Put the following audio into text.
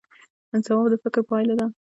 ځواب د فکر پایله ده